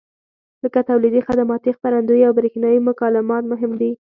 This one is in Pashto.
لکه تولیدي، خدماتي، خپرندویي او برېښنایي مکالمات مهم دي.